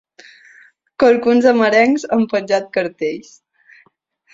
Alguns amerencs han penjat cartells.